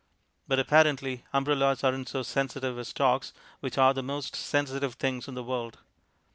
But apparently umbrellas aren't so sensitive as stocks, which are the most sensitive things in the world.